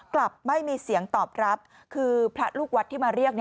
กลับไม่มีเสียงตอบรับคือพระลูกวัดที่มาเรียก